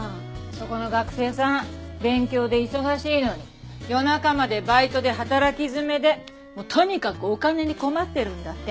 そこの学生さん勉強で忙しいのに夜中までバイトで働き詰めでもうとにかくお金に困ってるんだって。